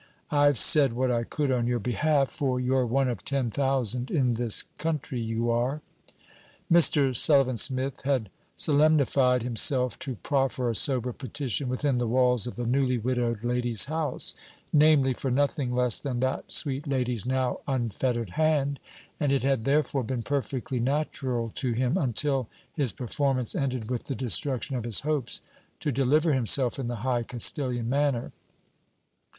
I've said what I could on your behalf, for you're one of ten thousand in this country, you are.' Mr. Sullivan Smith had solemnified himself to proffer a sober petition within the walls of the newly widowed lady's house; namely, for nothing less than that sweet lady's now unfettered hand: and it had therefore been perfectly natural to him, until his performance ended with the destruction of his hopes, to deliver himself in the high Castilian manner.